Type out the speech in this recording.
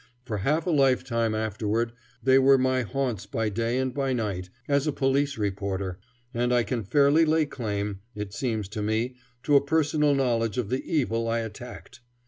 For half a lifetime afterward they were my haunts by day and by night, as a police reporter, and I can fairly lay claim, it seems to me, to a personal knowledge of the evil I attacked.